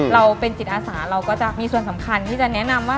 เราเป็นจิตอาสาเราก็จะมีส่วนสำคัญที่จะแนะนำว่า